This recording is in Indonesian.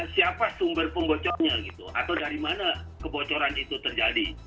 siapa sumber pembocornya gitu atau dari mana kebocoran itu terjadi